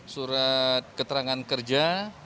surat keterangan kerja